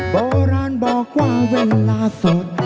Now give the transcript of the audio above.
โบราณบอกว่าเวลาสด